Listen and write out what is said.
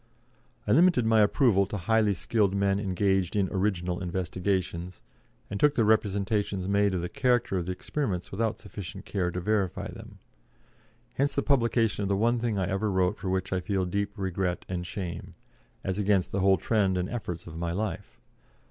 I limited my approval to highly skilled men engaged in original investigations, and took the representations made of the character of the experiments without sufficient care to verify them. Hence the publication of the one thing I ever wrote for which I feel deep regret and shame, as against the whole trend and efforts of my life.